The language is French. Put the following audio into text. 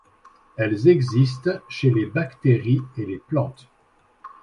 Elles existent chez les bactéries et les plantes.